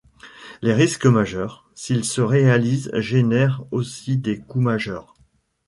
Les risques majeurs, s'ils se réalisent génèrent aussi des couts majeurs.